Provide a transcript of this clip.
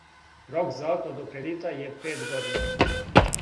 Рок за отплату кредита је пет година.